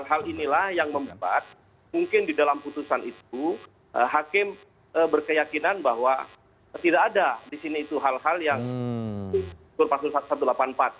hal inilah yang membuat mungkin di dalam putusan itu hakim berkeyakinan bahwa tidak ada di sini itu hal hal yang berpasung satu ratus delapan puluh empat